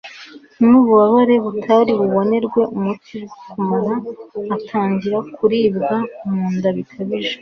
n'ububabare butari bubonerwe umuti bwo mu mara, atangira kuribwa mu nda bikabije